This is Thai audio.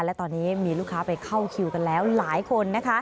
และตอนนี้มีลูกค้าไปเข้าคิวกันแล้วหลายคนนะคะ